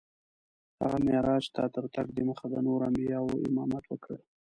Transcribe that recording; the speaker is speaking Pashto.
هغه معراج ته تر تګ دمخه د نورو انبیاوو امامت وکړ.